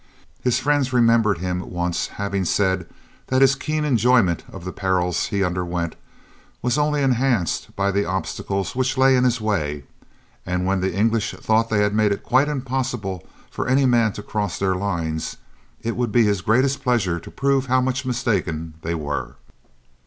His friends remembered his once having said that his keen enjoyment of the perils he underwent was only enhanced by the obstacles which lay in his way, and when the English thought they had made it quite impossible for any man to cross their lines, it would be his greatest pleasure to prove how much mistaken they were.